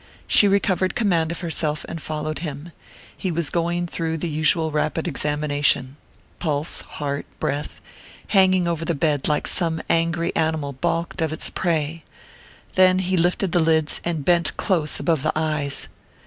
She recovered command of herself, and followed him. He was going through the usual rapid examination pulse, heart, breath hanging over the bed like some angry animal balked of its prey. Then he lifted the lids and bent close above the eyes.